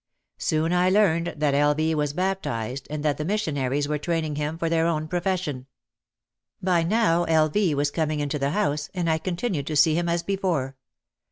Soon I learned that L. V. was bap tised and that the missionaries were training him for their own profession. By now L. V. was coming into the house and I con tinued to see him as before.